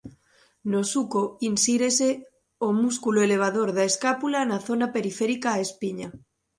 No suco insírese o músculo elevador da escápula na zona periférica á espiña.